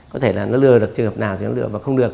có thể là nó lừa được trường hợp nào thì nó lừa và không được